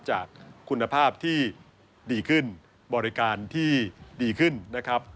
จากคุณภาพที่ดีขึ้นบริการที่ดีขึ้นนะครับ